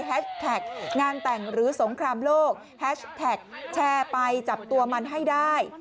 แท็กงานแต่งหรือสงครามโลกแฮชแท็กแชร์ไปจับตัวมันให้ได้